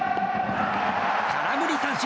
空振り三振！